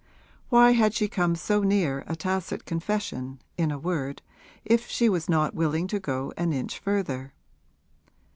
Why had she come so near a tacit confession, in a word, if she was not willing to go an inch further?